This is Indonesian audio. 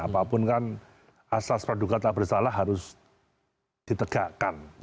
apapun kan asas peraduga tak bersalah harus ditegakkan